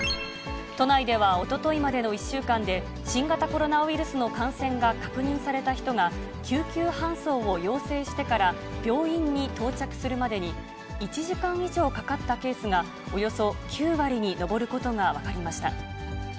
都内ではおとといまでの１週間で、新型コロナウイルスの感染が確認された人が、救急搬送を要請してから病院に到着するまでに１時間以上かかったケースが、およそ９割に上ることが分かりました。